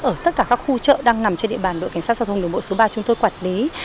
ở tất cả các khu chợ đang nằm trên địa bàn đội cảnh sát giao thông đồng bộ số ba chúng tôi quản lý